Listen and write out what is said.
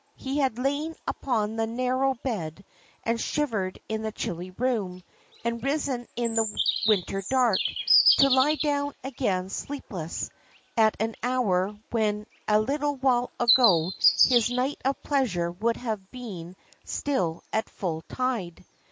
He had lain upon the narrow bed and shivered in the chilly room, and risen in the winter dark, to lie down again sleepless, at an hour when a little while ago his night of pleasure would have been still at full tide.